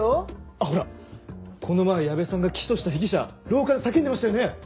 あっほらこの前矢部さんが起訴した被疑者廊下で叫んでましたよね？